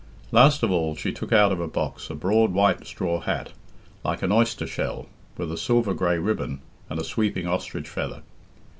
Last of all, she took out of a box a broad white straw hat, like an oyster shell, with a silver grey ribbon, and a sweeping ostrich feather..